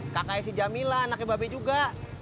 kakaknya si jamila anaknya babe juga